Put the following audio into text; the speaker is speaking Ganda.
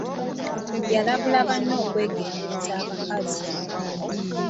Yalabula banne okwegendereza abakazi.